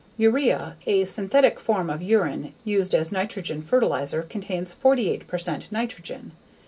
Urea, a synthetic form of urine used as nitrogen fertilizer contains 48 percent nitrogen.